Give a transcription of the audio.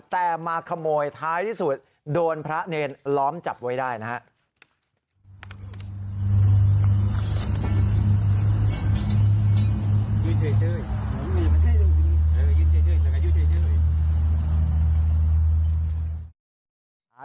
แต่มาขโมยท้ายที่สุดโดนพระเนรล้อมจับไว้ได้นะครับ